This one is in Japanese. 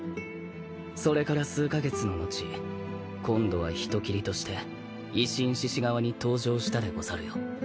それから数カ月の後今度は人斬りとして維新志士側に登場したでござるよ。